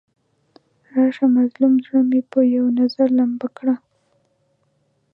راشه مظلوم زړه مې په یو نظر لمبه کړه.